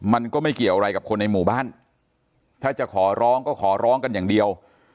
มันก็ไม่เกี่ยวอะไรกับคนในหมู่บ้านถ้าจะขอร้องก็ขอร้องกันอย่างเดียว